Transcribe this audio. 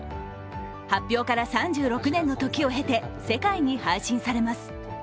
発表から３６年の時を経て世界に配信されます。